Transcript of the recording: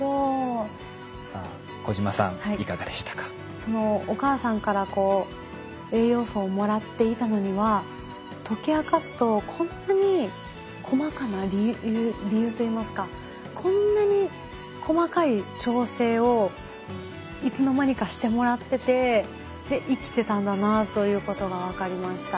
そのお母さんからこう栄養素をもらっていたのには解き明かすとこんなに細かな理由といいますかこんなに細かい調整をいつの間にかしてもらってて生きてたんだなということが分かりました。